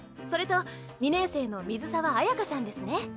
それと２年生の水沢彩佳さんですね。